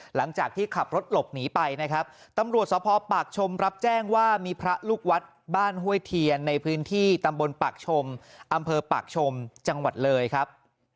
หลังจากที่ขับรถหลบหนีไปนะครับตำรวจสภปากชมรับแจ้งว่ามีพระลูกวัดบ้านห้วยเทียนในพื้นที่ตำบลปากชมอำเภอปากชมจังหวัดเลยครับ